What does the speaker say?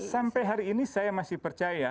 sampai hari ini saya masih percaya